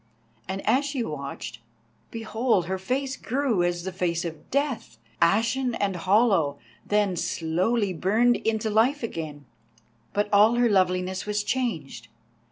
And as she watched, behold, her face grew as the face of death, ashen and hollow, then slowly burned into life again—but all her loveliness was changed.